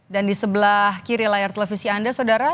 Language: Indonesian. dan di sebelah kiri layar televisi anda saudara